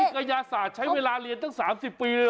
กระยาศาสตร์ใช้เวลาเรียนตั้ง๓๐ปีเลย